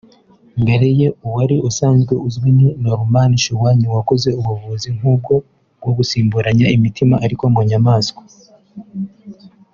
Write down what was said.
Mbere ye uwari usanzwe uzwi ni Norman Shumway wakoze ubuvuzi nk’ubwo bwo gusimburanya imitima ariko mu nyamaswa